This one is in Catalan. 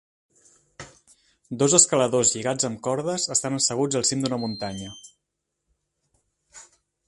Dos escaladors lligats amb cordes estan asseguts al cim d'una muntanya